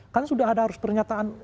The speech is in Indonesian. kan sudah ada harus pernyataan